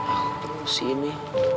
aku tunggu sini